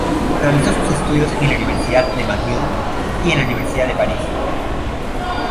Realizó sus estudios en la Universidad de McGill y en la Universidad de París.